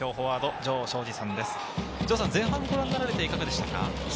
城さん、前半をご覧になっていかがでしたか？